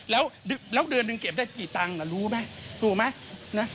แล้วเดือนหนึ่งเก็บได้กี่ตังค์รู้ไหมถูกไหม